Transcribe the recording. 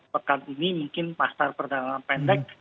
pekan ini mungkin pasar perdagangan pendek